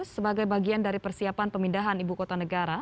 sebagai bagian dari persiapan pemindahan ibu kota negara